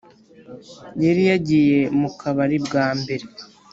yari yagiye mukabari bwambere